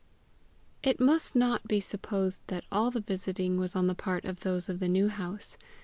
It must not be supposed that all the visiting was on the part of those of the New House.